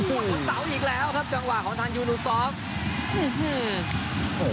ผู้สาวอีกแล้วครับจังหวะของทางยูนูทรอบ